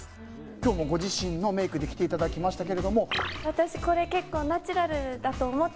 今日もご自身のメイクできていただきましたが。